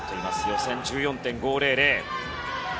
予選は１４．５００。